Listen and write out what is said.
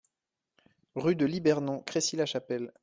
Rue de Libernon, Crécy-la-Chapelle